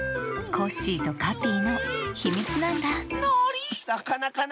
コッシーとカピイのひみつなんださかなかな。